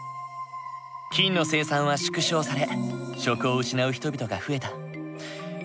金の生産は縮小され職を失う人々が増えた。